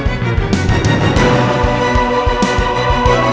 aku benci kamu